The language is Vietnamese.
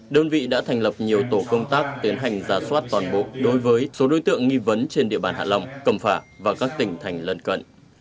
đơn vị đã thành lập nhiều tổ công tác tiến hành giả soát toàn bộ đối với số đối tượng nghi vấn trên địa bàn hạ long cẩm phả và các tỉnh thành lân cận